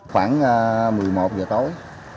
khoảng một mươi một h tối